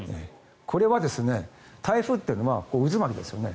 これは台風というのは渦巻きですよね。